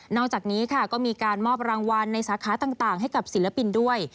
อกจากนี้ค่ะก็มีการมอบรางวัลในสาขาต่างให้กับศิลปินด้วย